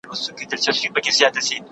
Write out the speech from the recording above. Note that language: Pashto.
ریا کول د عمل ثواب له منځه وړي.